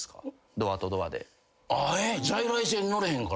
ドアとドアで。